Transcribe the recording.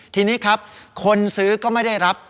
ทีนี้ครับคนซื้อก็ไม่ได้รับ